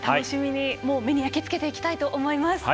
目に焼き付けていきたいと思います。